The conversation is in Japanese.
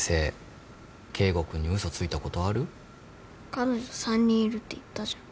彼女３人いるって言ったじゃん。